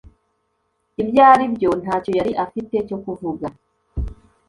Ibyo aribyo ntacyo yari afite cyo kuvuga